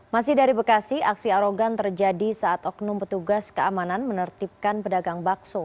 masih dari bekasi aksi arogan terjadi saat oknum petugas keamanan menertibkan pedagang bakso